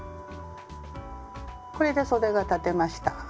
これでそでが裁てました。